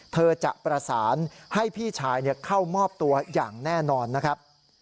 เธอจะประสานให้พี่ชายเข้ามอบตัวอย่างแน่นอนนะครับ